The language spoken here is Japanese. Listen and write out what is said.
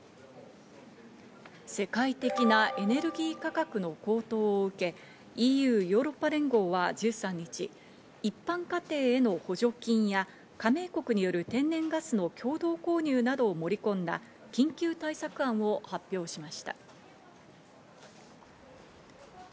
世界的なエネルギー価格の高騰を受け、ＥＵ＝ヨーロッパ連合は１３日、一般家庭への補助金や加盟国による天然ガスの共同購入などを盛り込んだ緊急対策案を発表しました。